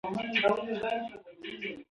سیلاني ځایونه د افغانستان د طبیعت یوه برخه ده.